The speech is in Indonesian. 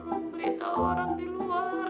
orang beritahu orang di luar